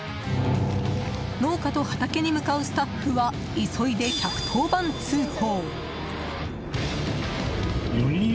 農家と畑に向かうスタッフは急いで１１０番通報。